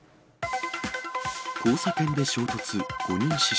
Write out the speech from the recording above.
交差点で衝突、５人死傷。